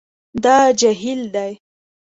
دا جهیل دی